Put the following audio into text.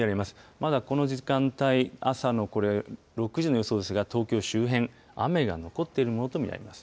まだこの時間帯、朝の６時の予想ですが、東京周辺、雨が残っているものと見られます。